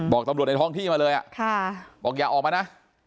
บอกตำรวจในท้องที่มาเลยบอกอย่าออกมานะ